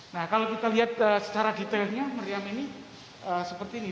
nah kalau kita lihat secara detailnya meriam ini seperti ini